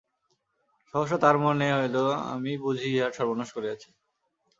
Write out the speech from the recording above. সহসা তাঁহার মনে হইল আমিই বুঝি ইহার সর্বনাশ করিয়াছি।